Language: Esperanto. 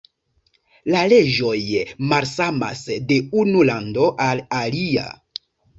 La leĝoj malsamas de unu lando al alia.